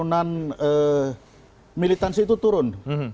penurunan militansi itu turun